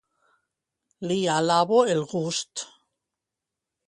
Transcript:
Li alabo el gust.